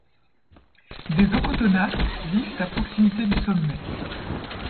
Des ochotonas vivent à proximité du sommet.